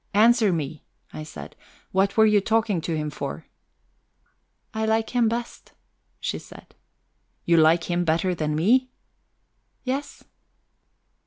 "Answer me," I said. "What were you talking to him for?" "I like him best," she said. "You like him better than me?" "Yes."